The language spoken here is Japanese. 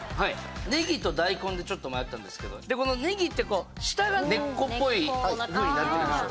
ねぎと大根でちょっと迷ったんですけどねぎって下が根っこっぽいふうになってるでしょ。